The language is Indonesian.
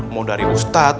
mau dari ustadz